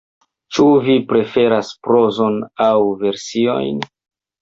Ĉu vi preferas prozon aŭ versojn?